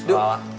nanti gue jalan